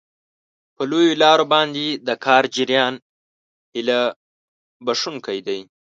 په لویو لارو باندې د کار جریان هیله بښونکی دی.